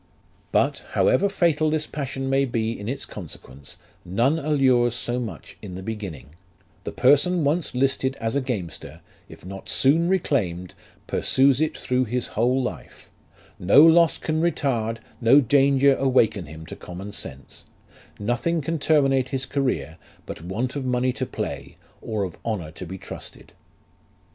" But, however fatal this passion may be in its consequence, none allures so much in the beginning ; the person once listed as a gamester, if not soon reclaimed, pursues it through his whole life ; no loss can retard, no danger awaken him to common sense ; nothing can terminate his career but want of money to play, or of honour to be trusted.